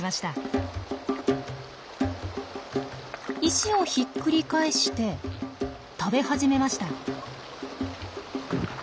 石をひっくり返して食べ始めました。